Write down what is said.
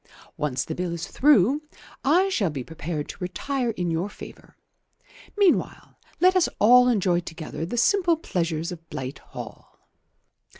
Once the Bill is through, I shall be prepared to retire in your favour. Meanwhile let us all enjoy together the simple pleasures of Blight Hall."